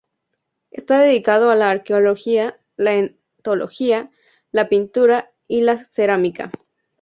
Está dedicado a la arqueología, la etnología, la pintura y la cerámica.